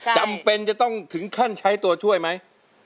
จำเป็นจะต้องถึงขั้นใช้ตัวช่วยไหม